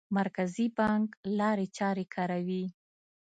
مرکزي بانک لارې چارې کاروي.